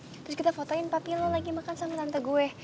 terus kita fotoin papi lo lagi makan sama tante gue